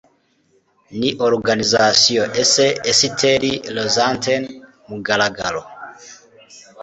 Ni Organization Ese Esiteri Rantzen mugaragaro ?